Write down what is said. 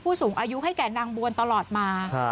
สูงอายุให้แก่นางบวนตลอดมา